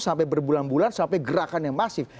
sampai berbulan bulan sampai gerakan yang masif